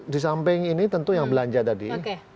di samping ini tentu yang belanja tadi